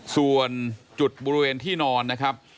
ส่วนจุดบริเวณที่นอนนะครับ